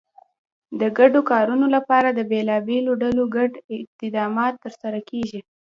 د ګډو کارونو لپاره د بېلابېلو ډلو ګډ اقدامات ترسره کېږي.